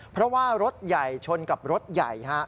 เพราะว่ารถใหญ่ชนกับรถใหญ่